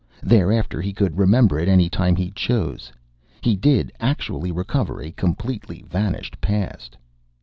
Thereafter he could remember it any time he chose. He did actually recover a completely vanished past.